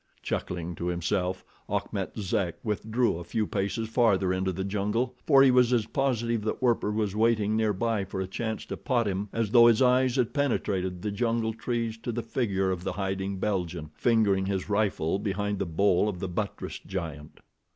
Chuckling to himself, Achmet Zek withdrew a few paces farther into the jungle, for he was as positive that Werper was waiting nearby for a chance to pot him as though his eyes had penetrated the jungle trees to the figure of the hiding Belgian, fingering his rifle behind the bole of the buttressed giant.